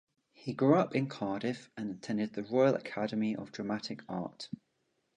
He grew up in Cardiff, and attended the Royal Academy of Dramatic Art.